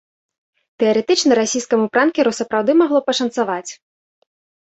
Тэарэтычна расійскаму пранкеру сапраўды магло пашанцаваць.